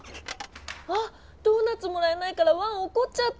あドーナツもらえないからワンおこっちゃった！